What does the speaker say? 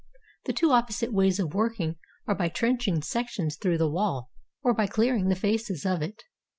The two opposite ways of working are by trenching sections through the wall, or by clearing the faces of it.